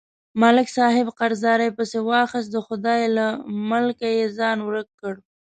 ملک صاحب قرضدارۍ پسې واخیست، د خدای له ملکه یې ځان ورک کړ.